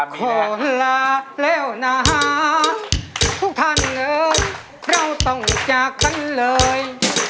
ขอลาแล้วนะทุกท่านเลยเราต้องจากกันเลย